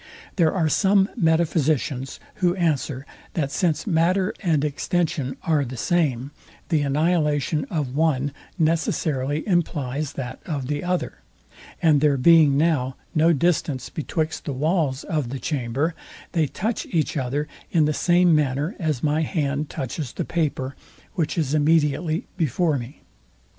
There are some metaphysicians, who answer, that since matter and extension are the same, the annihilation of one necessarily implies that of the other; and there being now no distance betwixt the walls of the chamber, they touch each other; in the same manner as my hand touches the paper, which is immediately before me.